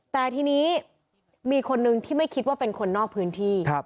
แต่ทีนี้มีคนนึงที่ไม่คิดว่าเป็นคนนอกพื้นที่